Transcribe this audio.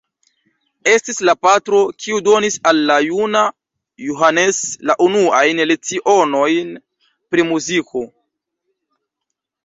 Estis la patro, kiu donis al la juna Johannes la unuajn lecionojn pri muziko.